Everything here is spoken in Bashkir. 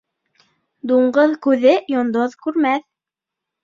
Дуңғыҙ күҙе йондоҙ күрмәҫ.